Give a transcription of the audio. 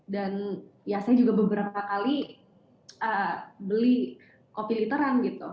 dan ya saya juga beberapa kali beli kopi literan gitu